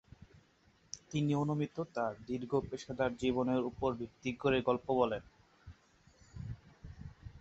তিনি অনুমিত তার দীর্ঘ পেশাদার জীবনের উপর ভিত্তি করে গল্প বলেন।